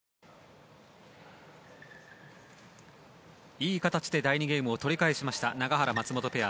いい形で第２ゲームを取り返しました永原、松本ペア。